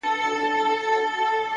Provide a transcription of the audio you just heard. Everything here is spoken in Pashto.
پوه انسان د اورېدو هنر زده وي,